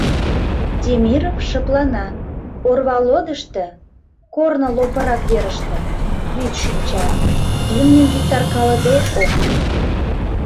Темиров шыплана, орва лодышто, корно лопырак верыште, вӱд шинча, имньым виктаркалыде ок лий.